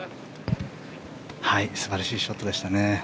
素晴らしいショットでしたね。